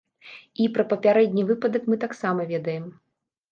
І пра папярэдні выпадак мы таксама ведаем.